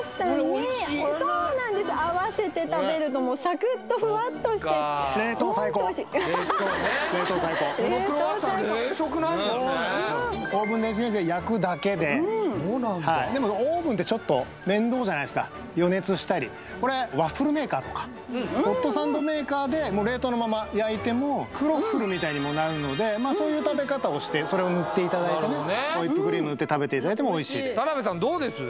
これおいしいそうなんですあわせて食べるとサクッとふわっとしてホントおいしいアハハこのクロワッサン冷食なんですねそうなんですよオーブン電子レンジで焼くだけで・そうなんだでもオーブンってちょっと面倒じゃないっすか余熱したりこれワッフルメーカーとかホットサンドメーカーで冷凍のまま焼いてもクロッフルみたいにもなるのでそういう食べ方をしてそれをホイップクリームぬって食べていただいてもおいしいです田辺さんどうです？